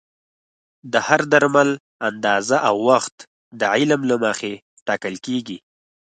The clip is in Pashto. د هر درمل اندازه او وخت د علم له مخې ټاکل کېږي.